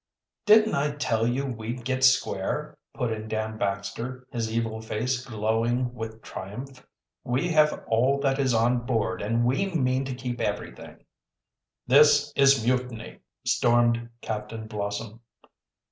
"Didn't I tell you we'd get square?" put in Dan Baxter, his evil face glowing with triumph. "We have all that is on board, and we mean to keep everything." "This is mutiny!" stormed Captain Blossom.